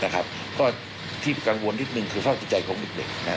ก็ที่กังวลนิดนึงคือฟส่องจิตใจของลูกเด็ก